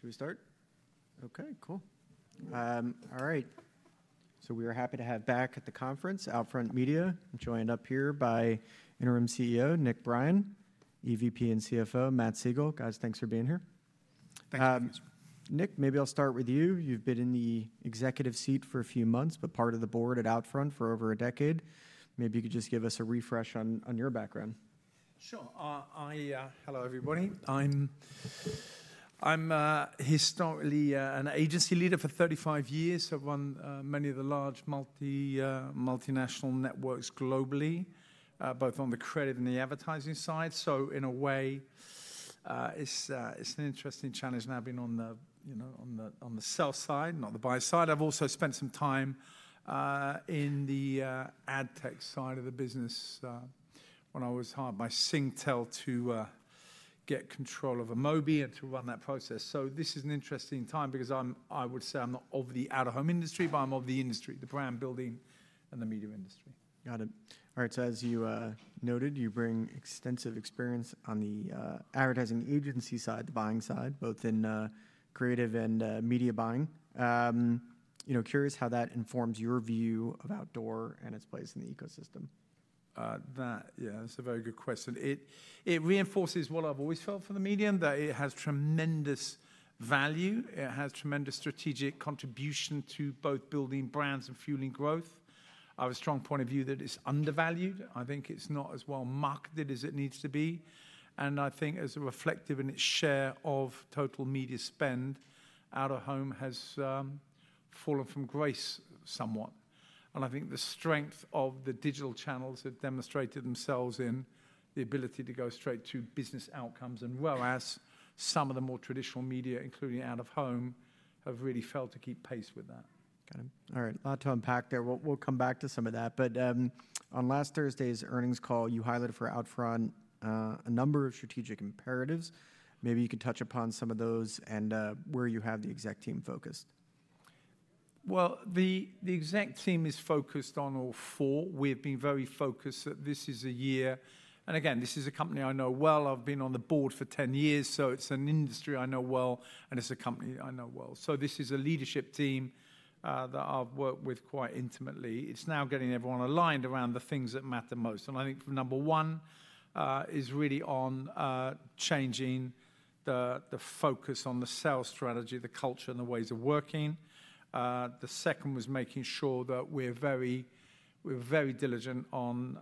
Okay. Should we start? Okay, cool. All right. So we are happy to have back at the conference OUTFRONT Media. I'm joined up here by Interim CEO Nick Brien, EVP and CFO Matt Siegel. Guys, thanks for being here. Thank you. Nick, maybe I'll start with you. You've been in the executive seat for a few months, but part of the board at OUTFRONT for over a decade. Maybe you could just give us a refresh on your background. Sure. Hello everybody. I'm historically an agency leader for 35 years. I've run many of the large multinational networks globally, both on the credit and the advertising side. In a way, it's an interesting challenge. I've been on the sell side, not the buy side. I've also spent some time in the ad tech side of the business when I was hired by Singtel to get control of Amobee and to run that process. This is an interesting time because I would say I'm not of the out-of-home industry, but I'm of the industry, the brand building and the media industry. Got it. All right. As you noted, you bring extensive experience on the advertising agency side, the buying side, both in creative and media buying. Curious how that informs your view of outdoor and its place in the ecosystem. Yeah, that's a very good question. It reinforces what I've always felt for the medium, that it has tremendous value. It has tremendous strategic contribution to both building brands and fueling growth. I have a strong point of view that it's undervalued. I think it's not as well marketed as it needs to be. I think as a reflective in its share of total media spend, out-of-home has fallen from grace somewhat. I think the strength of the digital channels have demonstrated themselves in the ability to go straight to business outcomes. Whereas some of the more traditional media, including out-of-home, have really failed to keep pace with that. Got it. All right. A lot to unpack there. We'll come back to some of that. On last Thursday's earnings call, you highlighted for OUTFRONT a number of strategic imperatives. Maybe you could touch upon some of those and where you have the exec team focused. The exec team is focused on all four. We've been very focused that this is a year and again, this is a company I know well. I've been on the board for 10 years. It is an industry I know well and it is a company I know well. This is a leadership team that I've worked with quite intimately. It is now getting everyone aligned around the things that matter most. I think number one is really on changing the focus on the sales strategy, the culture, and the ways of working. The second was making sure that we're very diligent on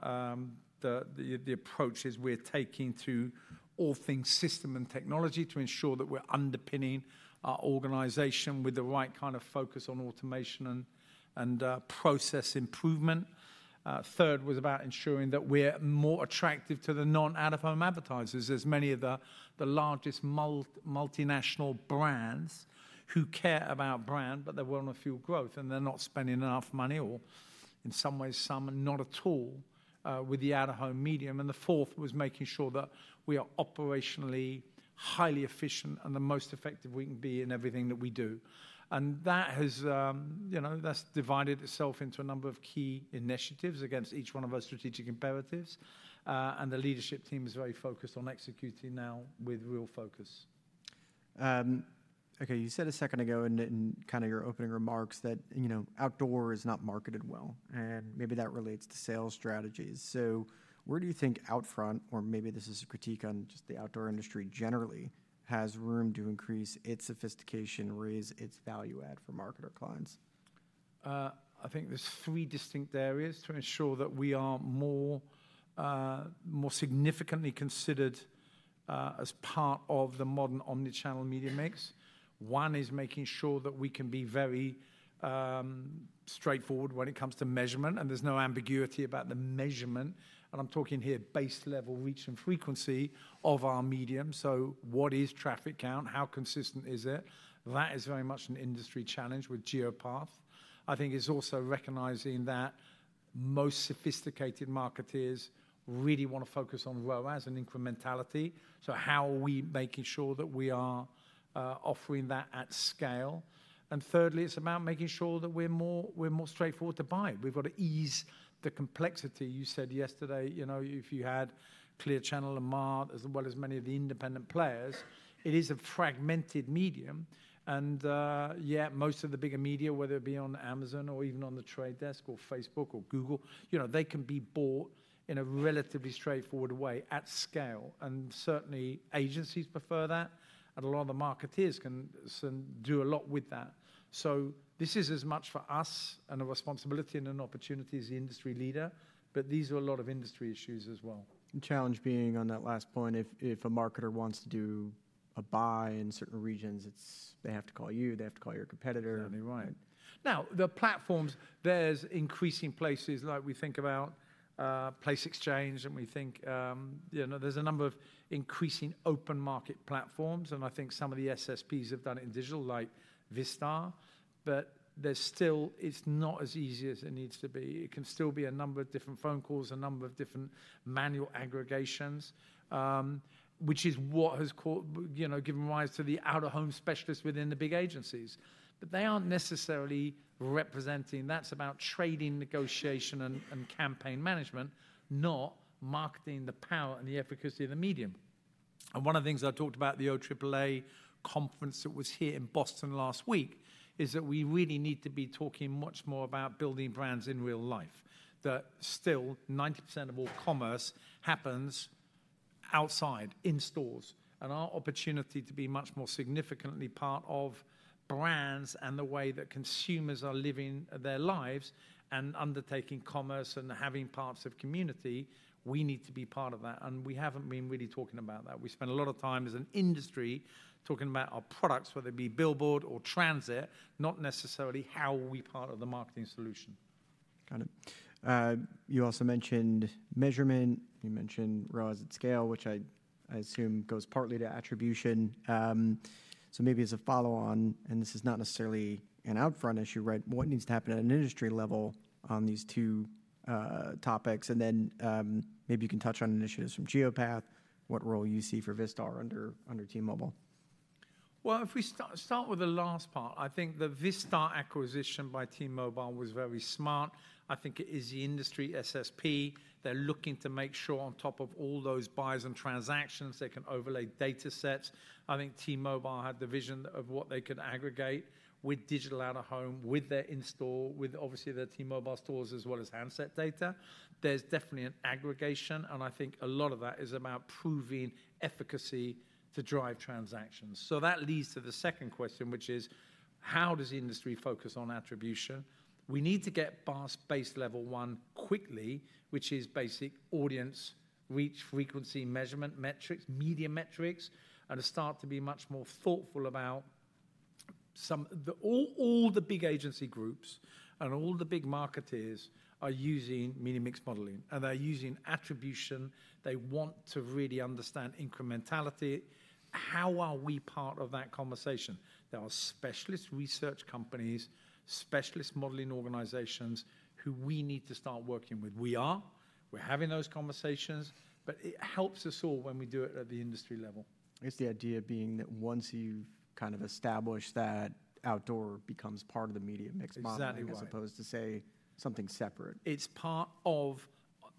the approaches we're taking to all things system and technology to ensure that we're underpinning our organization with the right kind of focus on automation and process improvement. Third was about ensuring that we're more attractive to the non-out-of-home advertisers, as many of the largest multinational brands who care about brand, but they're willing to fuel growth and they're not spending enough money or in some ways, some and not at all with the out-of-home medium. The fourth was making sure that we are operationally highly efficient and the most effective we can be in everything that we do. That has divided itself into a number of key initiatives against each one of our strategic imperatives. The leadership team is very focused on executing now with real focus. Okay. You said a second ago in kind of your opening remarks that outdoor is not marketed well. Maybe that relates to sales strategies. Where do you think OUTFRONT, or maybe this is a critique on just the outdoor industry generally, has room to increase its sophistication, raise its value add for market or clients? I think there's three distinct areas to ensure that we are more significantly considered as part of the modern omnichannel media mix. One is making sure that we can be very straightforward when it comes to measurement. There's no ambiguity about the measurement. I'm talking here base level reach and frequency of our medium. What is traffic count? How consistent is it? That is very much an industry challenge with Geopath. I think it's also recognizing that most sophisticated marketeers really want to focus on ROAS and incrementality. How are we making sure that we are offering that at scale? Thirdly, it's about making sure that we're more straightforward to buy. We've got to ease the complexity. You said yesterday, if you had Clear Channel and Maart as well as many of the independent players, it is a fragmented medium. Yet most of the bigger media, whether it be on Amazon or even on The Trade Desk or Facebook or Google, they can be bought in a relatively straightforward way at scale. Certainly agencies prefer that. A lot of the marketeers can do a lot with that. This is as much for us and a responsibility and an opportunity as the industry leader. These are a lot of industry issues as well. The challenge being on that last point, if a marketer wants to do a buy in certain regions, they have to call you. They have to call your competitor. Certainly right. Now, the platforms, there's increasing places like we think about Place Exchange. We think there's a number of increasing open market platforms. I think some of the SSPs have done it in digital like Vistar. It is not as easy as it needs to be. It can still be a number of different phone calls, a number of different manual aggregations, which is what has given rise to the out-of-home specialists within the big agencies. They aren't necessarily representing. That is about trading, negotiation, and campaign management, not marketing the power and the efficacy of the medium. One of the things I talked about at the OAAA conference that was here in Boston last week is that we really need to be talking much more about building brands in real life. Still, 90% of all commerce happens outside in stores. Our opportunity to be much more significantly part of brands and the way that consumers are living their lives and undertaking commerce and having parts of community, we need to be part of that. We have not been really talking about that. We spend a lot of time as an industry talking about our products, whether it be billboard or transit, not necessarily how we are part of the marketing solution. Got it. You also mentioned measurement. You mentioned ROAS at scale, which I assume goes partly to attribution. Maybe as a follow-on, and this is not necessarily an OUTFRONT issue, right? What needs to happen at an industry level on these two topics? Maybe you can touch on initiatives from Geopath. What role do you see for Vistar under T-Mobile? If we start with the last part, I think the Vistar acquisition by T-Mobile was very smart. I think it is the industry SSP. They're looking to make sure on top of all those buys and transactions, they can overlay data sets. I think T-Mobile had the vision of what they could aggregate with digital out-of-home, with their in-store, with obviously their T-Mobile stores as well as handset data. There's definitely an aggregation. I think a lot of that is about proving efficacy to drive transactions. That leads to the second question, which is how does the industry focus on attribution? We need to get base level one quickly, which is basic audience reach, frequency, measurement metrics, media metrics, and start to be much more thoughtful about all the big agency groups and all the big marketeers are using media mix modeling. They're using attribution. They want to really understand incrementality. How are we part of that conversation? There are specialist research companies, specialist modeling organizations who we need to start working with. We are. We're having those conversations. It helps us all when we do it at the industry level. It's the idea being that once you've kind of established that outdoor becomes part of the media mix model as opposed to say something separate. It's part of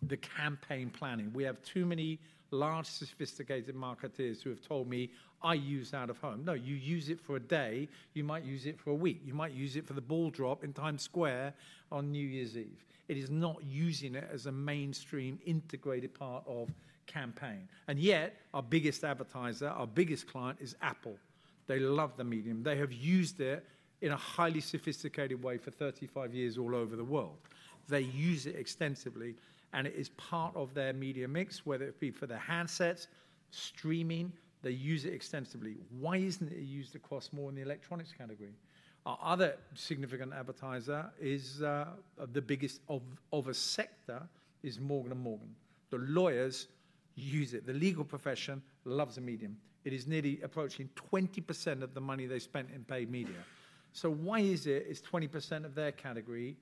the campaign planning. We have too many large sophisticated marketeers who have told me, "I use out-of-home." No, you use it for a day. You might use it for a week. You might use it for the ball drop in Times Square on New Year's Eve. It is not using it as a mainstream integrated part of campaign. Yet our biggest advertiser, our biggest client is Apple. They love the medium. They have used it in a highly sophisticated way for 35 years all over the world. They use it extensively. It is part of their media mix, whether it be for their handsets, streaming. They use it extensively. Why isn't it used across more in the electronics category? Our other significant advertiser is the biggest of a sector is Morgan & Morgan. The lawyers use it. The legal profession loves the medium. It is nearly approaching 20% of the money they spent in paid media. Why is it 20% of their category?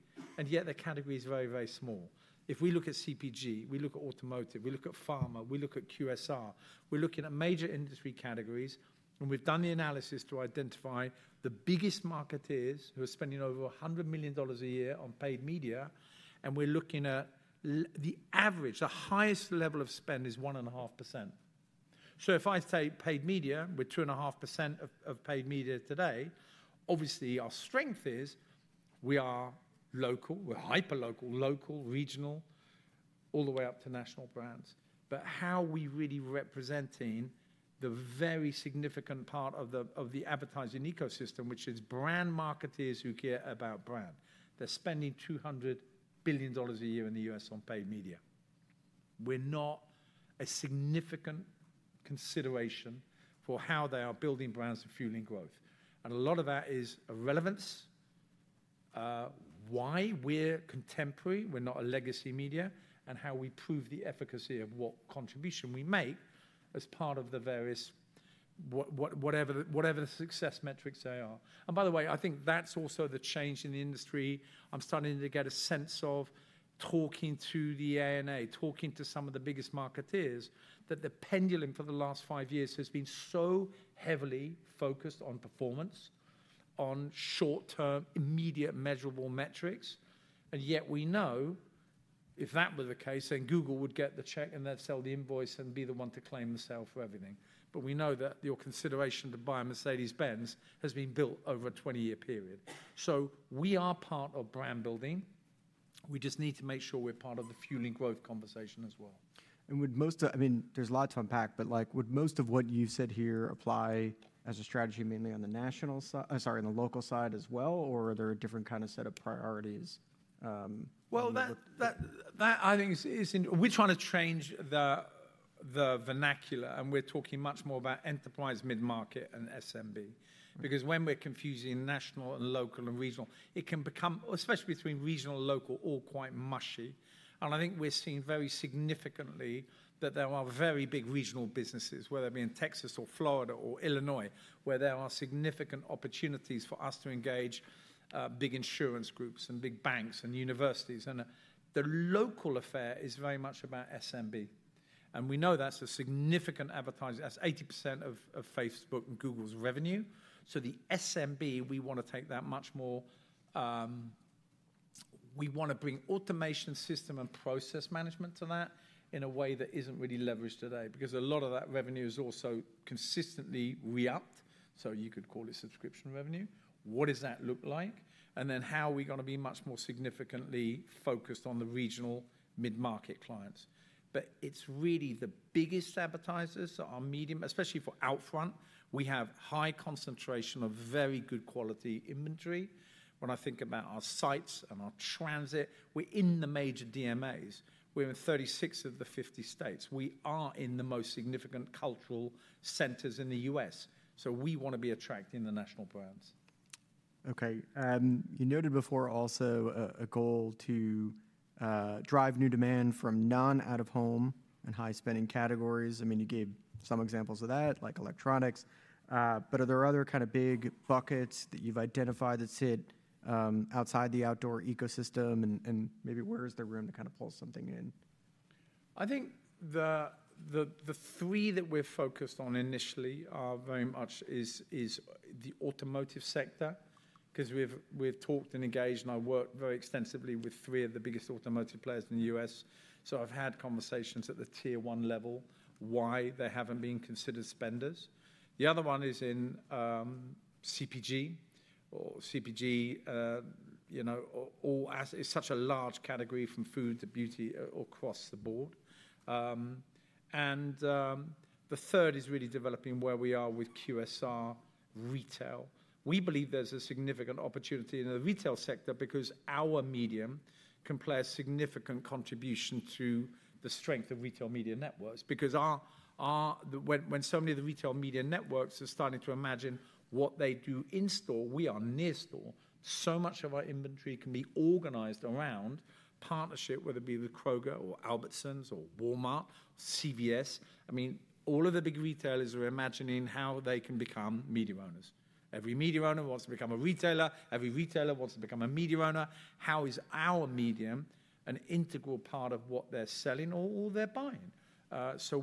Yet the category is very, very small. If we look at CPG, we look at automotive, we look at pharma, we look at QSR. We are looking at major industry categories. We have done the analysis to identify the biggest marketeers who are spending over $100 million a year on paid media. We are looking at the average, the highest level of spend is 1.5%. If I say paid media with 2.5% of paid media today, obviously our strength is we are local, we are hyper-local, local, regional, all the way up to national brands. How are we really representing the very significant part of the advertising ecosystem, which is brand marketeers who care about brand? They're spending $200 billion a year in the U.S. on paid media. We're not a significant consideration for how they are building brands and fueling growth. A lot of that is relevance, why we're contemporary, we're not a legacy media, and how we prove the efficacy of what contribution we make as part of the various whatever the success metrics they are. By the way, I think that's also the change in the industry. I'm starting to get a sense of talking to the ANA, talking to some of the biggest marketeers, that the pendulum for the last five years has been so heavily focused on performance, on short-term immediate measurable metrics. Yet we know if that were the case, then Google would get the check and they'd sell the invoice and be the one to claim the sale for everything. We know that your consideration to buy a Mercedes-Benz has been built over a 20-year period. We are part of brand building. We just need to make sure we're part of the fueling growth conversation as well. I mean, there's a lot to unpack, but would most of what you've said here apply as a strategy mainly on the national side? Sorry, on the local side as well? Or are there a different kind of set of priorities? I think we're trying to change the vernacular. We're talking much more about enterprise, mid-market, and SMB. Because when we're confusing national and local and regional, it can become, especially between regional and local, all quite mushy. I think we're seeing very significantly that there are very big regional businesses, whether it be in Texas or Florida or Illinois, where there are significant opportunities for us to engage big insurance groups and big banks and universities. The local affair is very much about SMB. We know that's a significant advertiser. That's 80% of Facebook and Google's revenue. The SMB, we want to take that much more, we want to bring automation system and process management to that in a way that isn't really leveraged today. Because a lot of that revenue is also consistently re-upped. You could call it subscription revenue. What does that look like? Then how are we going to be much more significantly focused on the regional mid-market clients? It is really the biggest advertisers. Our medium, especially for OUTFRONT, we have high concentration of very good quality inventory. When I think about our sites and our transit, we are in the major DMAs. We are in 36 of the 50 states. We are in the most significant cultural centers in the U.S. We want to be attracting the national brands. Okay. You noted before also a goal to drive new demand from non-out-of-home and high-spending categories. I mean, you gave some examples of that, like electronics. Are there other kind of big buckets that you've identified that sit outside the outdoor ecosystem? Maybe where is there room to kind of pull something in? I think the three that we're focused on initially are very much the automotive sector. Because we've talked and engaged and I've worked very extensively with three of the biggest automotive players in the U.S. So I've had conversations at the tier one level why they haven't been considered spenders. The other one is in CPG. Or CPG is such a large category from food to beauty across the board. The third is really developing where we are with QSR retail. We believe there's a significant opportunity in the retail sector because our medium can play a significant contribution to the strength of retail media networks. Because when so many of the retail media networks are starting to imagine what they do in store, we are near store. So much of our inventory can be organized around partnership, whether it be with Kroger or Albertsons or Walmart, CVS. I mean, all of the big retailers are imagining how they can become media owners. Every media owner wants to become a retailer. Every retailer wants to become a media owner. How is our medium an integral part of what they're selling or all they're buying?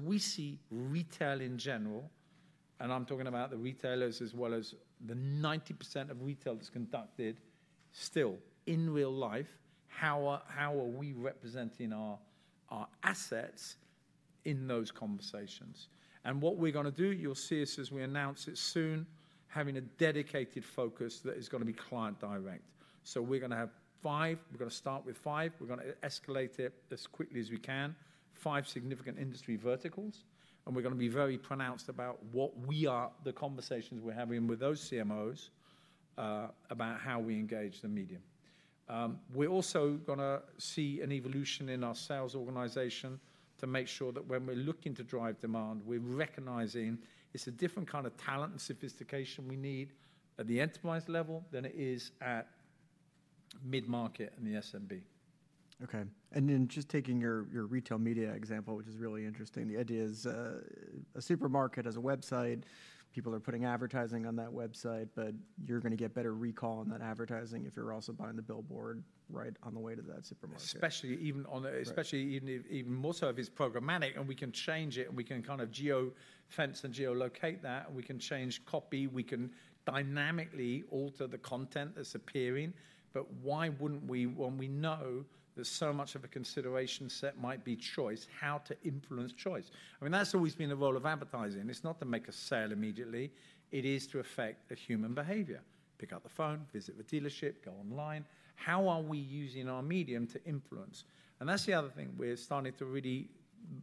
We see retail in general, and I'm talking about the retailers as well as the 90% of retail that's conducted still in real life, how are we representing our assets in those conversations? What we're going to do, you'll see us as we announce it soon, having a dedicated focus that is going to be client direct. We're going to have five. We're going to start with five. We're going to escalate it as quickly as we can. Five significant industry verticals. We are going to be very pronounced about what we are, the conversations we're having with those CMOs about how we engage the medium. We're also going to see an evolution in our sales organization to make sure that when we're looking to drive demand, we're recognizing it's a different kind of talent and sophistication we need at the enterprise level than it is at mid-market and the SMB. Okay. And then just taking your retail media example, which is really interesting, the idea is a supermarket has a website. People are putting advertising on that website. But you're going to get better recall on that advertising if you're also buying the billboard right on the way to that supermarket. Especially even more so if it's programmatic. We can change it. We can kind of geofence and geolocate that. We can change copy. We can dynamically alter the content that's appearing. Why wouldn't we, when we know that so much of a consideration set might be choice, how to influence choice? I mean, that's always been the role of advertising. It's not to make a sale immediately. It is to affect human behavior. Pick up the phone, visit the dealership, go online. How are we using our medium to influence? That's the other thing. We're starting to really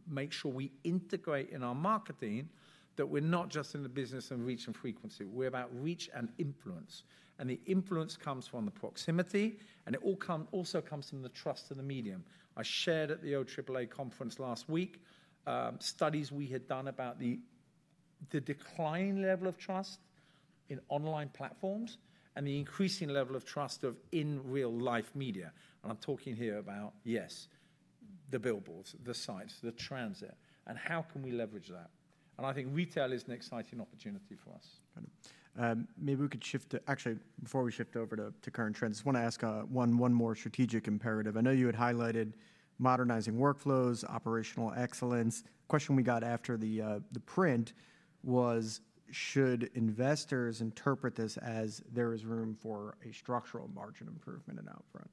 make sure we integrate in our marketing that we're not just in the business of reach and frequency. We're about reach and influence. The influence comes from the proximity. It also comes from the trust in the medium. I shared at the OAAA conference last week studies we had done about the decline level of trust in online platforms and the increasing level of trust of in real-life media. I'm talking here about, yes, the billboards, the sites, the transit. How can we leverage that? I think retail is an exciting opportunity for us. Got it. Maybe we could shift to actually, before we shift over to current trends, I just want to ask one more strategic imperative. I know you had highlighted modernizing workflows, operational excellence. Question we got after the print was, should investors interpret this as there is room for a structural margin improvement in OUTFRONT?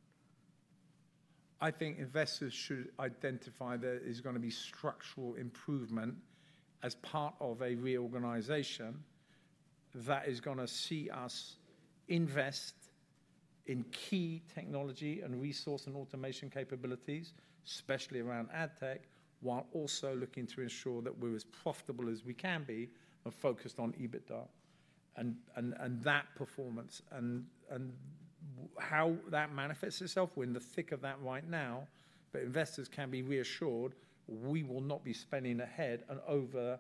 I think investors should identify there is going to be structural improvement as part of a reorganization that is going to see us invest in key technology and resource and automation capabilities, especially around ad tech, while also looking to ensure that we're as profitable as we can be and focused on EBITDA and that performance and how that manifests itself. We're in the thick of that right now. Investors can be reassured we will not be spending ahead and over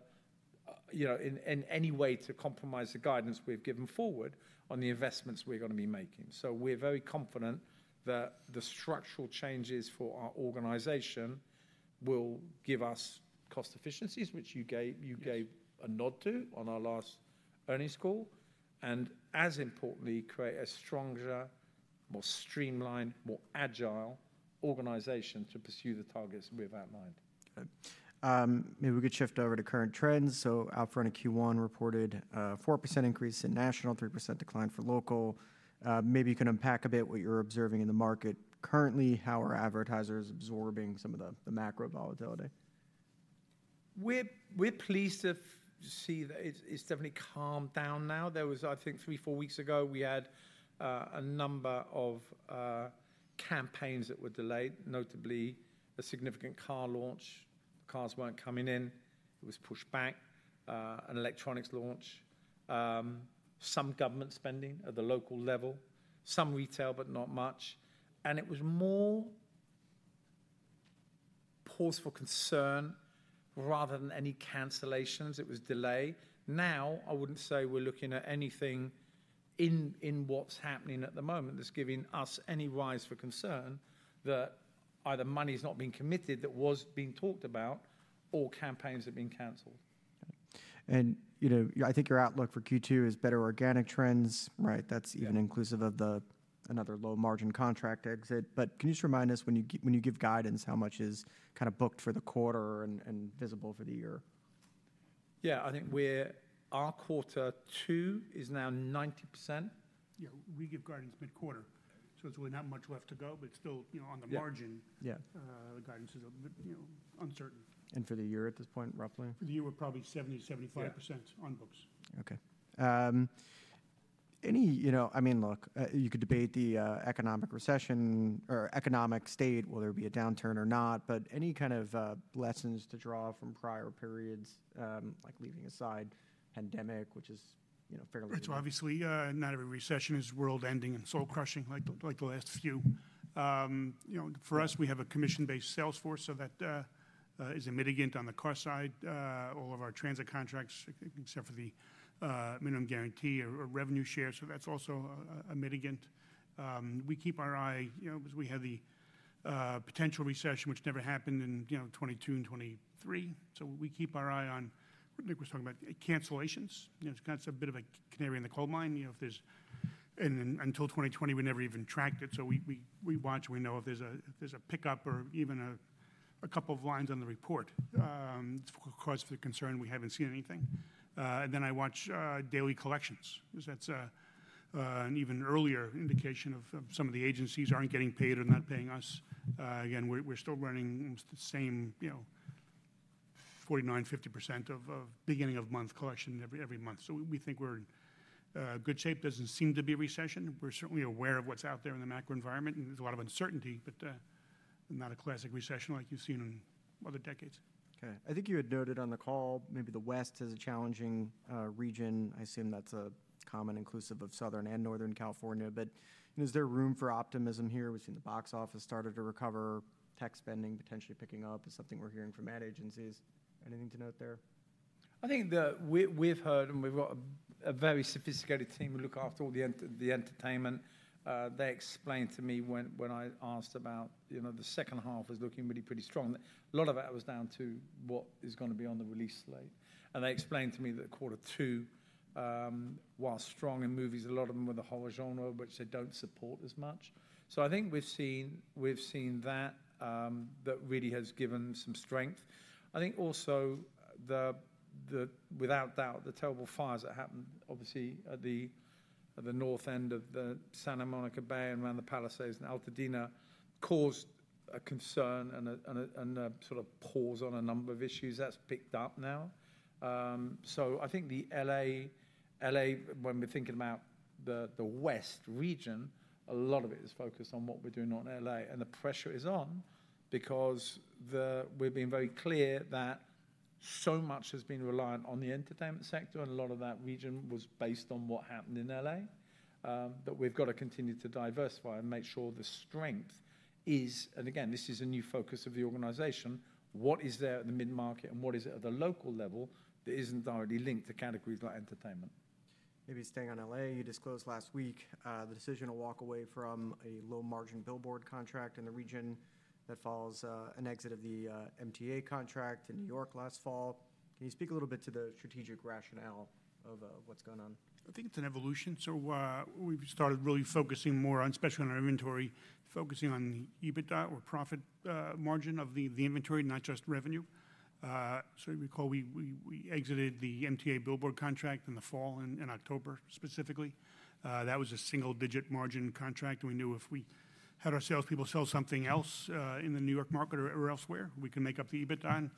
in any way to compromise the guidance we've given forward on the investments we're going to be making. We're very confident that the structural changes for our organization will give us cost efficiencies, which you gave a nod to on our last earnings call. As importantly, create a stronger, more streamlined, more agile organization to pursue the targets we've outlined. Maybe we could shift over to current trends. OUTFRONT Q1 reported a 4% increase in national, 3% decline for local. Maybe you can unpack a bit what you're observing in the market currently, how are advertisers absorbing some of the macro volatility? We're pleased to see that it's definitely calmed down now. There was, I think, three, four weeks ago, we had a number of campaigns that were delayed, notably a significant car launch. Cars weren't coming in. It was pushed back. An electronics launch. Some government spending at the local level. Some retail, but not much. It was more pause for concern rather than any cancellations. It was delay. Now, I wouldn't say we're looking at anything in what's happening at the moment that's giving us any rise for concern that either money's not being committed that was being talked about or campaigns have been canceled. I think your outlook for Q2 is better organic trends, right? That is even inclusive of another low-margin contract exit. Can you just remind us when you give guidance, how much is kind of booked for the quarter and visible for the year? Yeah. I think our quarter two is now 90%. Yeah. We give guidance mid-quarter. So it's only that much left to go. Still, on the margin, the guidance is uncertain. For the year at this point, roughly? For the year, we're probably 70%-75% on books. Okay. I mean, look, you could debate the economic recession or economic state, will there be a downturn or not? But any kind of lessons to draw from prior periods, like leaving aside pandemic, which is fairly. It's obviously not every recession is world-ending and soul-crushing like the last few. For us, we have a commission-based sales force. That is a mitigant on the car side. All of our transit contracts, except for the minimum guarantee or revenue share. That is also a mitigant. We keep our eye because we had the potential recession, which never happened in 2022 and 2023. We keep our eye on what Nick was talking about, cancellations. That is a bit of a canary in the coal mine. Until 2020, we never even tracked it. We watch and we know if there's a pickup or even a couple of lines on the report. It's cause for concern. We haven't seen anything. I watch daily collections. That is an even earlier indication if some of the agencies aren't getting paid or not paying us. Again, we're still running the same 49%-50% of beginning-of-month collection every month. We think we're in good shape. It does not seem to be a recession. We're certainly aware of what's out there in the macro environment. There is a lot of uncertainty, but not a classic recession like you've seen in other decades. Okay. I think you had noted on the call, maybe the West is a challenging region. I assume that's a common inclusive of Southern and Northern California. Is there room for optimism here? We've seen the box office start to recover. Tech spending potentially picking up is something we're hearing from ad agencies. Anything to note there? I think that we've heard, and we've got a very sophisticated team who look after all the entertainment. They explained to me when I asked about the second half was looking really, pretty strong. A lot of that was down to what is going to be on the release slate? And they explained to me that quarter two, while strong in movies, a lot of them were the horror genre, which they don't support as much. So I think we've seen that that really has given some strength. I think also, without doubt, the terrible fires that happened, obviously, at the north end of the Santa Monica Bay and around the Palisades and Altadena, caused a concern and a sort of pause on a number of issues. That's picked up now. I think the LA, when we're thinking about the West region, a lot of it is focused on what we're doing in LA. The pressure is on because we've been very clear that so much has been reliant on the entertainment sector. A lot of that region was based on what happened in LA. We've got to continue to diversify and make sure the strength is, and again, this is a new focus of the organization, what is there at the mid-market and what is it at the local level that isn't directly linked to categories like entertainment? Maybe staying on LA, you disclosed last week the decision to walk away from a low-margin billboard contract in the region that follows an exit of the MTA contract in New York last fall. Can you speak a little bit to the strategic rationale of what's going on? I think it's an evolution. So we've started really focusing more on, especially on our inventory, focusing on the EBITDA or profit margin of the inventory, not just revenue. So recall we exited the MTA billboard contract in the fall in October, specifically. That was a single-digit margin contract. And we knew if we had our salespeople sell something else in the New York market or elsewhere, we can make up the EBITDA.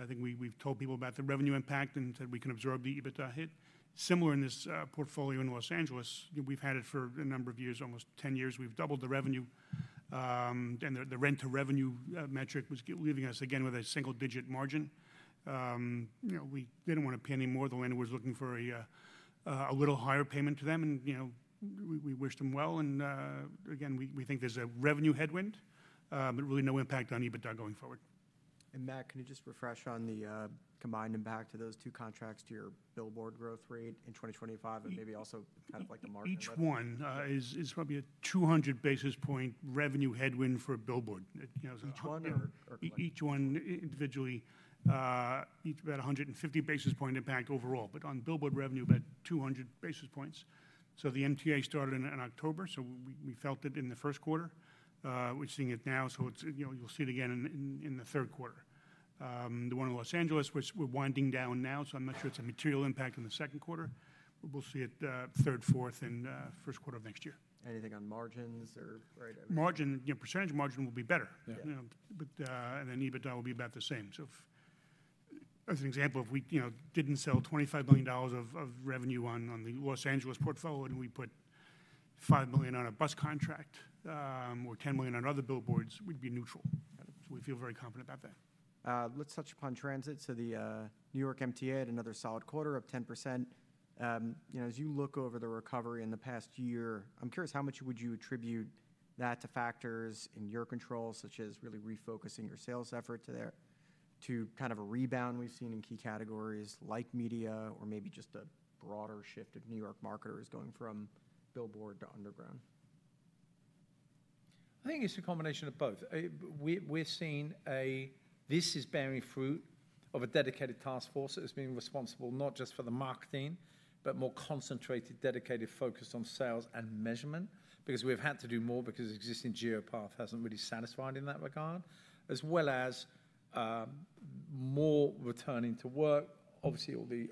I think we've told people about the revenue impact and said we can absorb the EBITDA hit. Similar in this portfolio in Los Angeles. We've had it for a number of years, almost 10 years. We've doubled the revenue. And the rent-to-revenue metric was leaving us again with a single-digit margin. We didn't want to pay any more than when we were looking for a little higher payment to them. And we wished them well. We think there is a revenue headwind, but really no impact on EBITDA going forward. Matt, can you just refresh on the combined impact of those two contracts to your billboard growth rate in 2025 and maybe also kind of like the margin? Each one is probably a 200 basis point revenue headwind for a billboard. Each one or? Each one individually, about 150 basis point impact overall. On billboard revenue, about 200 basis points. The MTA started in October. We felt it in the first quarter. We are seeing it now. You will see it again in the third quarter. The one in Los Angeles, we are winding down now. I am not sure it is a material impact in the second quarter. We will see it third, fourth, and first quarter of next year. Anything on margins or? Margin, percentage margin will be better. EBITDA will be about the same. As an example, if we did not sell $25 million of revenue on the Los Angeles portfolio and we put $5 million on a bus contract or $10 million on other billboards, we would be neutral. We feel very confident about that. Let's touch upon transit. The New York MTA had another solid quarter of 10%. As you look over the recovery in the past year, I'm curious how much would you attribute that to factors in your control, such as really refocusing your sales effort to kind of a rebound we've seen in key categories like media or maybe just a broader shift of New York marketers going from billboard to underground? I think it's a combination of both. We're seeing this is bearing fruit of a dedicated task force that's been responsible not just for the marketing, but more concentrated, dedicated, focused on sales and measurement because we've had to do more because existing Geopath hasn't really satisfied in that regard, as well as more returning to work. Obviously, all the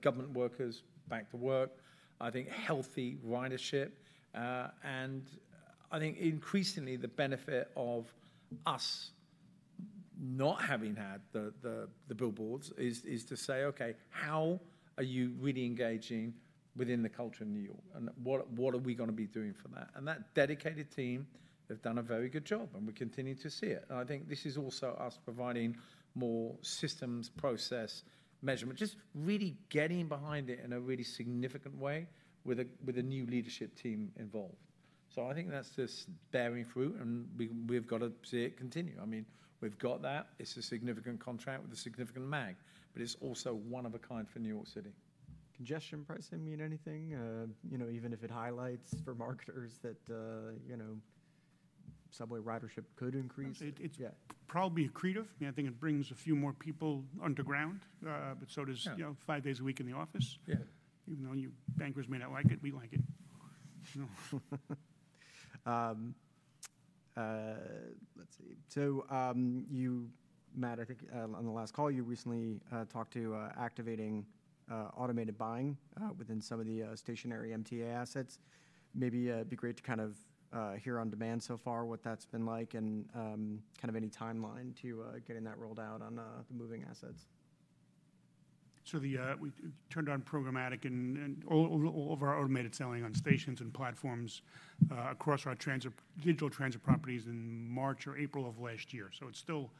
government workers back to work. I think healthy ridership. I think increasingly the benefit of us not having had the billboards is to say, "Okay, how are you really engaging within the culture in New York? And what are we going to be doing for that?" That dedicated team have done a very good job. We continue to see it. I think this is also us providing more systems, process, measurement, just really getting behind it in a really significant way with a new leadership team involved. I think that's just bearing fruit. We've got to see it continue. I mean, we've got that. It's a significant contract with a significant MAG. It's also one of a kind for New York City. Congestion pricing mean anything? Even if it highlights for marketers that subway ridership could increase? It's probably accretive. I mean, I think it brings a few more people underground. But so does five days a week in the office. Even though bankers may not like it, we like it. Let's see. So you, Matt, I think on the last call, you recently talked to activating automated buying within some of the stationary MTA assets. Maybe it'd be great to kind of hear on demand so far what that's been like and kind of any timeline to getting that rolled out on the moving assets. We turned on programmatic and all of our automated selling on stations and platforms across our digital transit properties in March or April of last year. It is still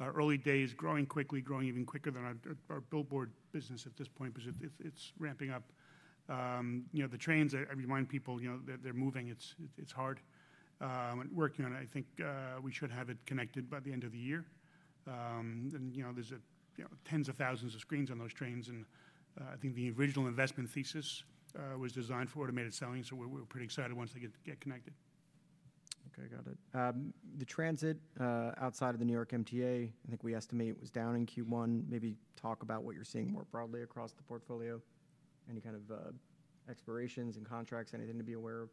early days, growing quickly, growing even quicker than our billboard business at this point because it is ramping up. The trains, I remind people that they are moving. It is hard. Working on it. I think we should have it connected by the end of the year. There are tens of thousands of screens on those trains. I think the original investment thesis was designed for automated selling. We are pretty excited once they get connected. Okay. Got it. The transit outside of the New York MTA, I think we estimate was down in Q1. Maybe talk about what you're seeing more broadly across the portfolio. Any kind of expirations and contracts, anything to be aware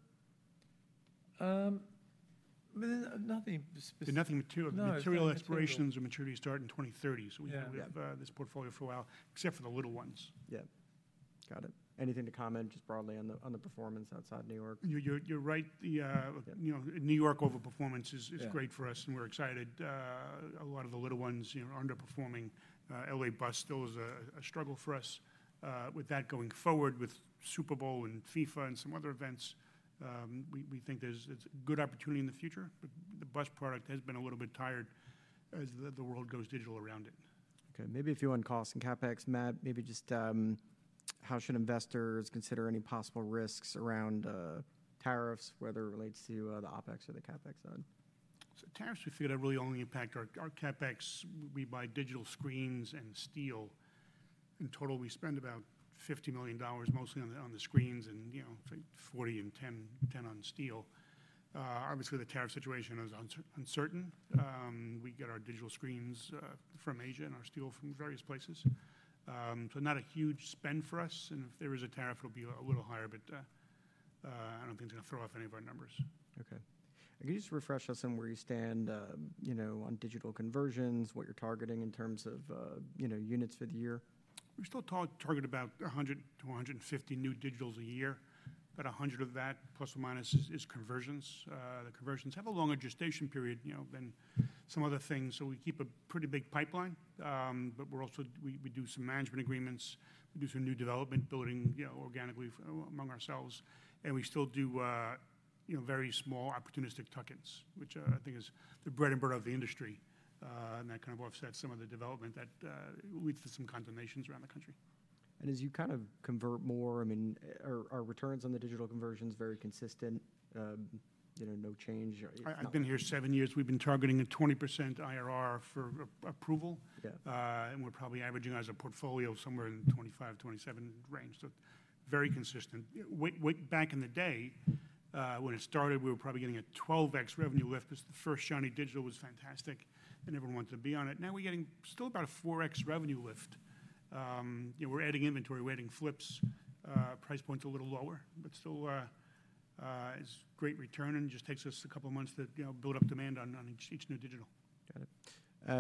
of? Nothing specific. Nothing material expirations or maturities start in 2030. So we've had this portfolio for a while, except for the little ones. Yeah. Got it. Anything to comment just broadly on the performance outside New York? You're right. The New York overperformance is great for us. We're excited. A lot of the little ones are underperforming. LA bus still is a struggle for us. With that going forward with Super Bowl and FIFA and some other events, we think there's a good opportunity in the future. The bus product has been a little bit tired as the world goes digital around it. Okay. Maybe a few on costs and CapEx. Matt, maybe just how should investors consider any possible risks around tariffs, whether it relates to the OpEx or the CapEx side? Tariffs, we feel, really only impact our CapEx. We buy digital screens and steel. In total, we spend about $50 million, mostly on the screens and $40 million and $10 million on steel. Obviously, the tariff situation is uncertain. We get our digital screens from Asia and our steel from various places. Not a huge spend for us. If there is a tariff, it'll be a little higher. I don't think it's going to throw off any of our numbers. Okay. Can you just refresh us on where you stand on digital conversions, what you're targeting in terms of units for the year? We're still targeting about 100-150 new digitals a year. About 100 of that, plus or minus, is conversions. The conversions have a longer gestation period than some other things. We keep a pretty big pipeline. We do some management agreements. We do some new development building organically among ourselves. We still do very small opportunistic tuck-ins, which I think is the bread and butter of the industry. That kind of offsets some of the development that leads to some condemnations around the country. As you kind of convert more, I mean, are returns on the digital conversions very consistent? No change? I've been here seven years. We've been targeting a 20% IRR for approval. We're probably averaging out as a portfolio somewhere in the 25-27% range. Very consistent. Back in the day, when it started, we were probably getting a 12x revenue lift because the first Shiny Digital was fantastic. Everyone wanted to be on it. Now we're still getting about a 4x revenue lift. We're adding inventory, we're adding flips. Price points are a little lower. Still, it's great return. It just takes us a couple of months to build up demand on each new digital. Got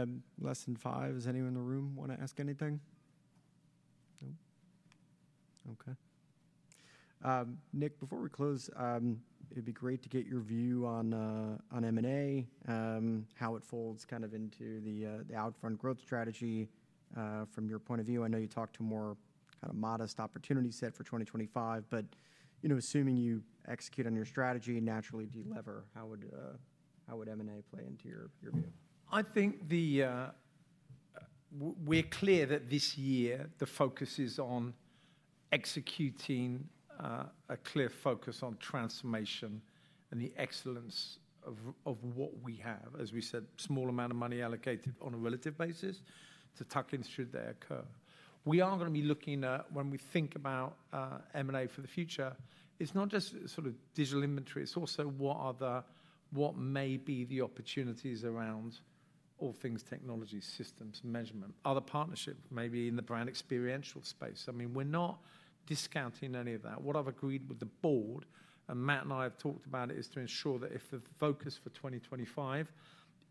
it. Less than five. Does anyone in the room want to ask anything? No? Okay. Nick, before we close, it'd be great to get your view on M&A, how it folds kind of into the OUTFRONT growth strategy from your point of view. I know you talked to a more kind of modest opportunity set for 2025. But assuming you execute on your strategy and naturally deliver, how would M&A play into your view? I think we're clear that this year, the focus is on executing a clear focus on transformation and the excellence of what we have, as we said, small amount of money allocated on a relative basis to tuck-ins should they occur. We are going to be looking at, when we think about M&A for the future, it's not just sort of digital inventory. It's also what may be the opportunities around all things technology, systems, measurement, other partnership, maybe in the brand experiential space. I mean, we're not discounting any of that. What I've agreed with the board, and Matt and I have talked about it, is to ensure that if the focus for 2025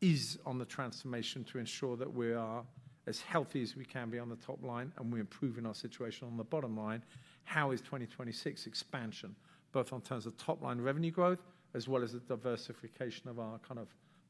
is on the transformation to ensure that we are as healthy as we can be on the top line and we're improving our situation on the bottom line, how is 2026 expansion, both in terms of top-line revenue growth as well as the diversification of our kind of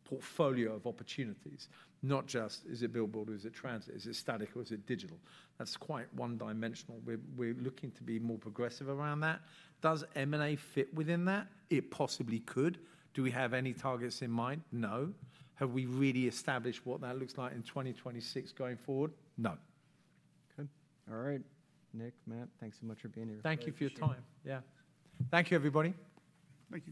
portfolio of opportunities, not just is it billboard or is it transit, is it static or is it digital? That's quite one-dimensional. We're looking to be more progressive around that. Does M&A fit within that? It possibly could. Do we have any targets in mind? No. Have we really established what that looks like in 2026 going forward? No. Okay. All right. Nick, Matt, thanks so much for being here. Thank you for your time. Yeah. Thank you, everybody. Thank you.